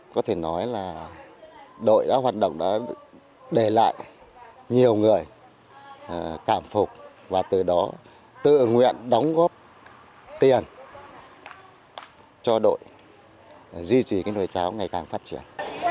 có thể nói là đội đã hoạt động đã để lại nhiều người cảm phục và từ đó tự nguyện đóng góp tiền cho đội duy trì nồi cháo ngày càng phát triển